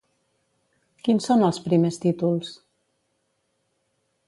Quins són els primers títols?